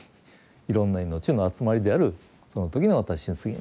いろんな命の集まりであるその時の私にすぎないと。